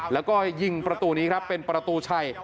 แล้วก็ยิงประตูนี้ครับเป็นประตูชัย